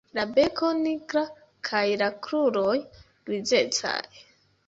La beko nigra kaj la kruroj grizecaj.